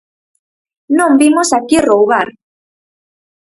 ¡Non vimos aquí roubar!